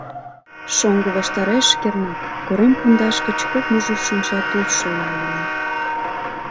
Шоҥго ваштареш, кернак, корем пундаш гыч кок мужыр шинча тулшолла йӱла.